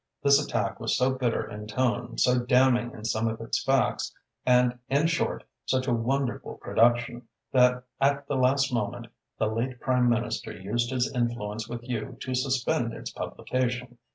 This attack was so bitter in tone, so damning in some of its facts, and, in short, such a wonderful production, that at the last moment the late Prime Minister used his influence with you to suspend its publication.